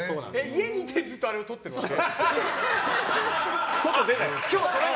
家にいてずっとあれを撮ってるわけ？